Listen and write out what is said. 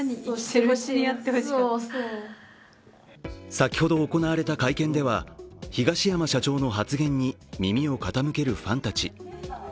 先ほど行われた会見では東山社長の発言に耳を傾けるファンたち。